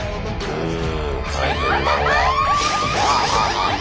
うん。